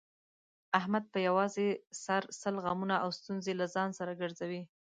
احمد په یووازې سر سل غمونه او ستونزې له ځان سره ګرځوي.